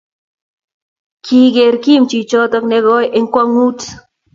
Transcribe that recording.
kigeer Kim chichoto negikoi eng kwanguut